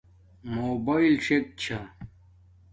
موباݵل شاک چھا